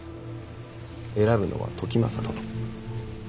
選ぶのは時政殿。